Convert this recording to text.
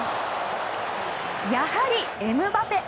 やはりエムバペ。